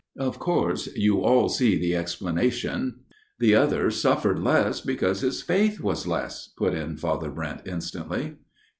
Of course you all see the explanation." 1" The other suffered less because his faith was less," put in Father Brent instantly.